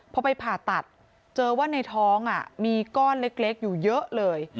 พอไปผ่าตัดเจอว่าในท้องมีก้อนเล็กอยู่เยอะเลย